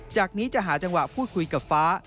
จากนี้จะหาจังหวะพูดคุยกับฟ้า